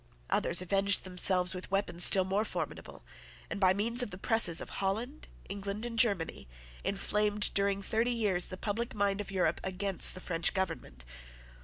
Others avenged themselves with weapons still more formidable, and, by means of the presses of Holland, England, and Germany, inflamed, during thirty years, the public mind of Europe against the French government.